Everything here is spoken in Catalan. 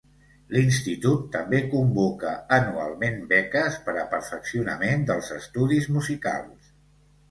L'institut també convoca anualment beques per a perfeccionament dels estudis musicals.